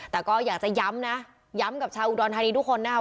แต่ก็อยากจะย้ำนะย้ำกับชาวอุดรธานีทุกคนนะครับ